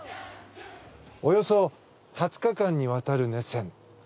およそ２０日間にわたる熱戦。